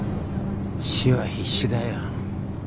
市は必死だよ。